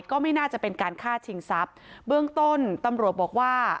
ก็ไม่น่าจะเป็นการฆ่าชิงทรัพย์เบื้องต้นตำรวจบอกว่า